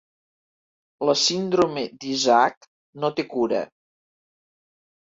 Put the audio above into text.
La síndrome d'Isaac no té cura.